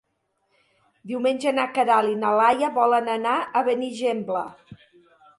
Diumenge na Queralt i na Laia volen anar a Benigembla.